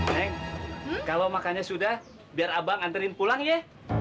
heng kalau makannya sudah biar abang anterin pulang ya